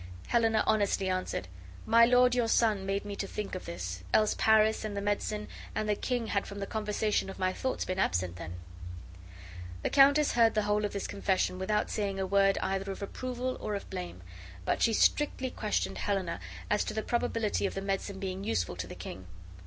Helena honestly answered, "My lord your son made me to think of this; else Paris. and the medicine and the king had from the conversation of my thoughts been absent then." The countess heard the whole of this confession without saying a word either of approval or of blame, but she strictly questioned Helena as to the probability of the medicine being useful to the king.